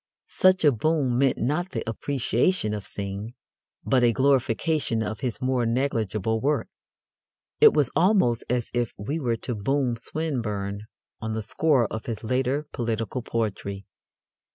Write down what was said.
Such a boom meant not the appreciation of Synge but a glorification of his more negligible work. It was almost as if we were to boom Swinburne on the score of his later political poetry.